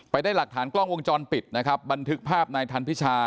ได้หลักฐานกล้องวงจรปิดนะครับบันทึกภาพนายทันพิชา